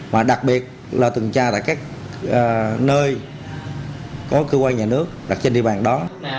mà đặc biệt là từng tra tại các nơi có cơ quan nhà nước đặt trên địa bàn đó